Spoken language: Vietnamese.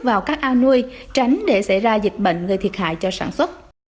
vào các ao nuôi tránh để xảy ra dịch bệnh gây thiệt hại cho sản xuất